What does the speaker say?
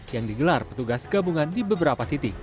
yang digelar petugas gabungan di beberapa titik